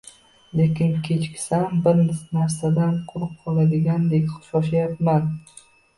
Lekin kechiksam bir narsadan quruq qoladigandek shoshayapman